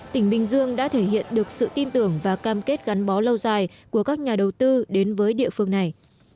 tỉnh bình dương đã thể hiện được sự tin tưởng và cam kết gắn bó lâu dài của các nhà đầu tư đến với địa phương này